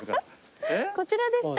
こちらでした。